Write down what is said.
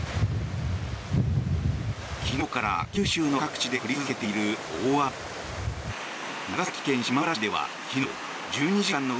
昨日から九州の各地で降り続けている大雨。